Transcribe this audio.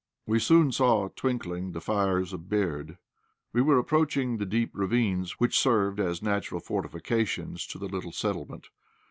We soon saw twinkling the fires of Berd. We were approaching the deep ravines which served as natural fortifications to the little settlement.